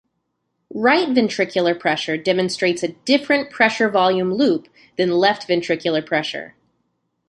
Right ventricular pressure demonstrates a different pressure-volume loop than left ventricular pressure.